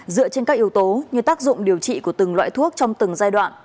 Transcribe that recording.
dựa trên các yếu tố như tác dụng điều trị của từng loại thuốc trong từng giai đoạn